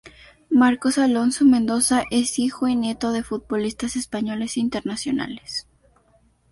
Marcos Alonso Mendoza es hijo y nieto de futbolistas españoles internacionales.